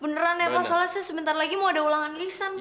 beneran ya pak soalnya saya sebentar lagi mau ada ulangan lisan pak